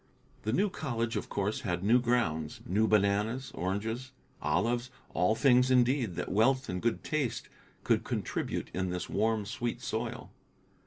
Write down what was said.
The new college, of course, had new grounds, new bananas, oranges, olives, all things, indeed, that wealth and good taste could contribute in this warm, sweet soil.